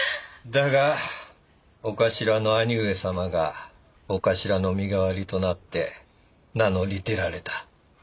だがお頭の兄上様がお頭の身代わりとなって名乗り出られた。